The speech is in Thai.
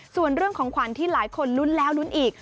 ส่วนเรื่องของขวัญที่หลายคนลุ้นแล้วลุ้นอีก